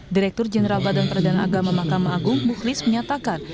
direktur jenderal badan peradaan agama mahkamah agung mukhlis menyatakan